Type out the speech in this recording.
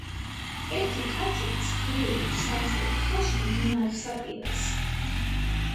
ერთი კაცი ცხრილით საცერით ხელში მდინარისა პირას